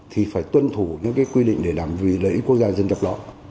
thì phải tuân thủ những cái quy định để làm vì lợi ích quốc gia dân dập đó